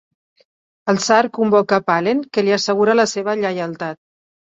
El tsar convoca Pahlen, que li assegura la seva lleialtat.